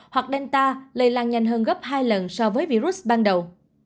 hoặc delta lây lan nhanh hơn gấp hai lần so với virus ban đầu